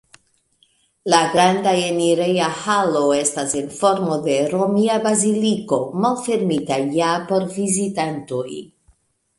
La granda enireja halo estas en formo de romia baziliko, malfermita ja por vizitantoj.